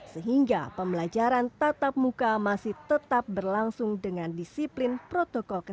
sehingga pembelajaran kesehatan di sekolah dan takziah di sekolah yang paling penting adalah mengevaluasi pengelolaan kesehatan